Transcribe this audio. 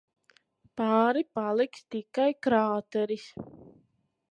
Pāri paliks tikai krāteris.